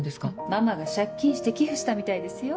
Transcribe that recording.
ママが借金して寄付したみたいですよ。